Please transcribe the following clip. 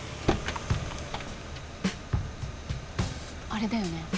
あれだよね。